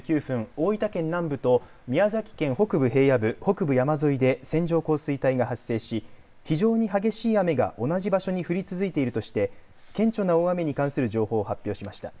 大分県南部と宮崎県北部平野部北部山沿いで線状降水帯が発生し非常に激しい雨が同じ場所に降り続いているとして顕著な大雨に関する情報を発表しました。